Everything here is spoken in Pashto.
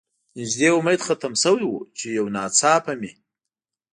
نږدې امید ختم شوی و، چې یو ناڅاپه مې.